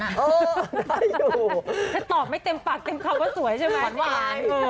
ถ้าตอบไม่เต็มปากเน๊ยหวานหวาน